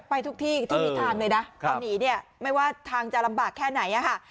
ไปทุกที่ที่มีทางเลยนะตอนนี้เนี่ยไม่ว่าทางจะลำบากแค่ไหนอะค่ะ